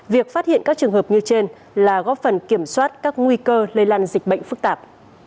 việc phát hiện các trường hợp như trên là góp phần kiểm soát các nguy cơ lây lan dịch bệnh phức tạp